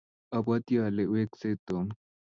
abwatii ale wksei Tom.